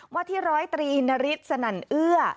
ว่าที่๑๐๓นสนั่นเอื้อ